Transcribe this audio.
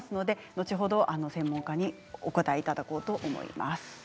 後ほど専門家にお答えいただこうと思います。